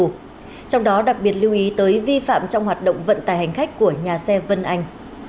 trong đó đặc biệt lưu ý tới vi phạm trong hoạt động vận tải hành khách của nhà xe vân anh